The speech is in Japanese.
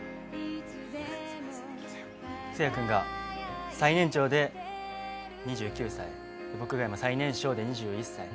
誠也君が最年長で２９歳、僕が最年少で２１歳。